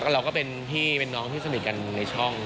เราก็เป็นพี่เป็นน้องที่สนิทกันในช่อง